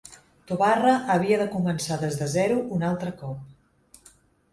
Tobarra havia de començar des de zero un altre cop.